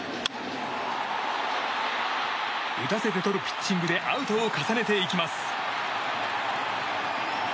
打たせてとるピッチングでアウトを重ねていきます。